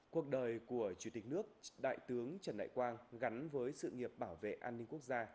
cuộc đời của chủ tịch nước đại tướng trần đại quang gắn với sự nghiệp bảo vệ an ninh quốc gia